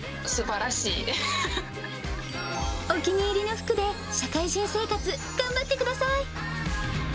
お気に入りの服で、社会人生活、頑張ってください。